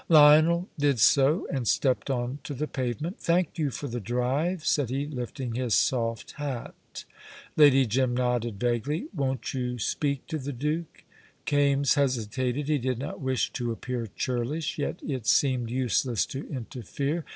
Lionel did so, and stepped on to the pavement. "Thank you for the drive," said he, lifting his soft hat. Lady Jim nodded vaguely. "Won't you speak to the Duke?" Kaimes hesitated. He did not wish to appear churlish; yet it seemed useless to interfere.